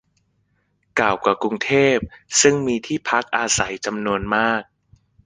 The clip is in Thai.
เก่ากว่ากรุงเทพ ซึ่งมีที่พักอาศัยจำนวนมาก